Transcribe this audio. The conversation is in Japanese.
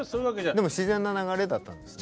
でも自然な流れだったんですね。